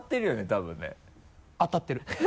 多分ね当たってる。